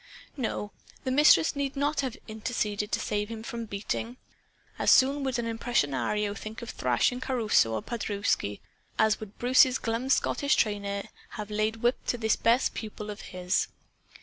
No, the Mistress need not have interceded to save him from beating. As soon would an impresario think of thrashing Caruso or Paderewski as would Bruce's glum Scottish trainer have laid whip to this best pupil of his.